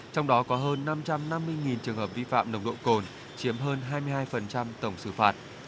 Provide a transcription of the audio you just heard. trong đó có hơn năm trăm năm mươi trường hợp vi phạm nồng độ cồn chiếm hơn hai mươi hai tổng xử phạt